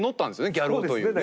ギャル男というね。